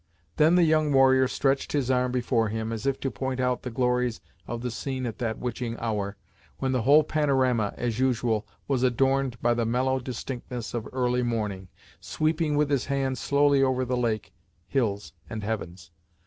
Then the young warrior stretched his arm before him, as if to point out the glories of the scene at that witching hour, when the whole panorama, as usual, was adorned by the mellow distinctness of early morning, sweeping with his hand slowly over lake, hills and heavens.